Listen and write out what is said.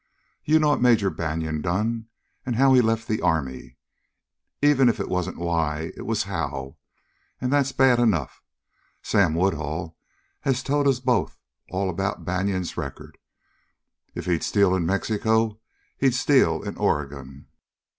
You know what Major Banion done, and how he left the Army even if it wasn't why, it was how, and that's bad enough. Sam Woodhull has told us both all about Banion's record. If he'd steal in Mexico he'd steal in Oregon."